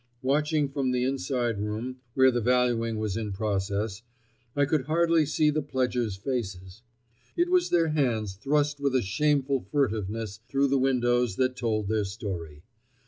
Watching from the inside room, where the valuing was in process, I could hardly see the pledgers' faces. It was their hands thrust with a shameful furtiveness through the windows that told their story.